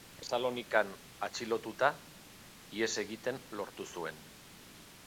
Tesalonikan atxilotuta, ihes egiten lortu zuen.